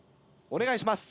お願いします。